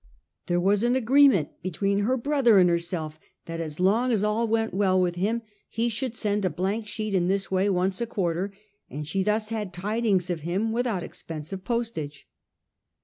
There was an agreement between her brother and herself that as long as all went well with him he should send a blank sheet in this way once a quarter ; and she thus had tidings of him without expense of post age.